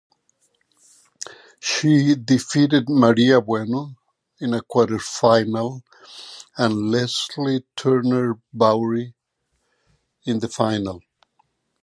She defeated Maria Bueno in a quarterfinal and Lesley Turner Bowrey in the final.